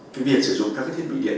cái việc sử dụng các thiết bị điện